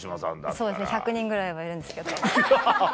そうですね１００人ぐらいはいるんですけどハハハ！